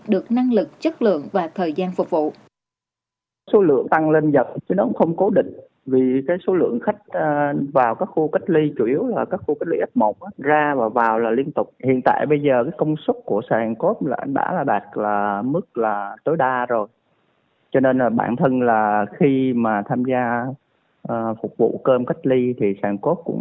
được năng lực chất lượng và thời gian phục vụ